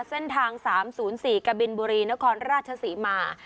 เส้นทาง๓๐๔กบินบุรีนครราชศรีมา